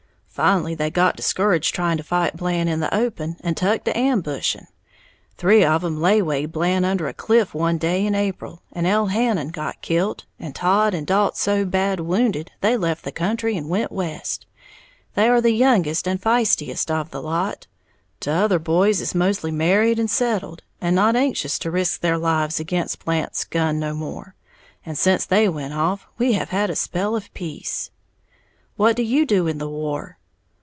Finally they got discouraged trying to fight Blant in the open, and tuck to ambushing. Three of 'em laywayed Blant under a cliff one day in April, and Elhannon got kilt, and Todd and Dalt so bad wounded they left the country and went West. They are the youngest and feistiest of the lot, t'other boys is mostly married and settled, and not anxious to risk their lives again' Blant's gun no more and sence they went off, we have had a spell of peace." "What do you do in the war?"